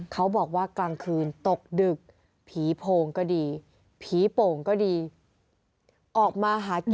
กลางคืนตกดึกผีโพงก็ดีผีโป่งก็ดีออกมาหากิน